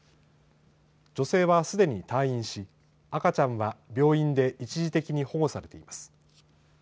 女性はすでに退院し赤ちゃんは病院で一時事的に保護されています。